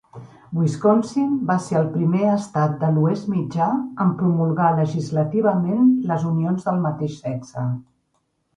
Wisconsin va ser el primer estat de l'Oest Mitjà en promulgar legislativament les unions de el mateix sexe.